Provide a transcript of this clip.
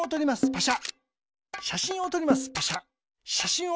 パシャ。